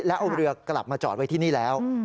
แล้วเอาเรือกลับมาจอดไว้ที่นี่แล้ว